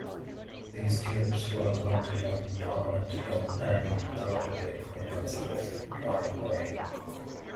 These tulips were planted on Parliament Hill and along the Queen Elizabeth Driveway.